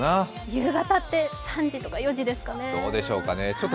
夕方って３時とか４時ですかね。